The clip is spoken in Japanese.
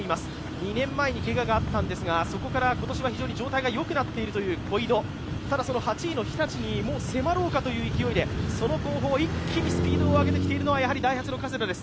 ２年前にけががあったんですが、今年はそこから非常に状態がよくなっているという小井戸ただ、８位の日立にもう迫ろうかという勢いで、後方、一気にスピードを上げてきているのはダイハツの加世田です。